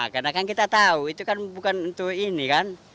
karena kan kita tahu itu kan bukan untuk ini kan